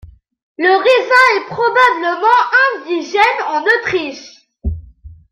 Le raisin est probablement indigène en Autriche.